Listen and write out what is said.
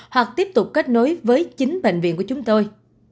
hoặc tiếp tục kết nối với chính bệnh viện của chúng tôi